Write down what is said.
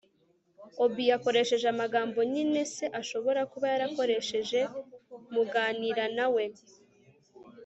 obi yakoresheje amagambo nyine se ashobora kuba yarakoresheje muganira na we